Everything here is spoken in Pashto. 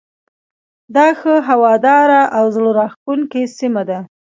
دا ښه هواداره او زړه راکښونکې سیمه ده.